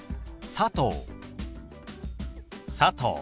「佐藤」。